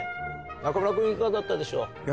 中村君いかがだったでしょう？